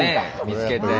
見つけて。